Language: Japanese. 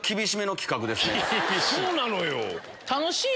そうなのよ。